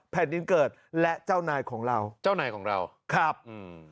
แผ่นดินเกิดและเจ้านายของเราเจ้านายของเราครับอืม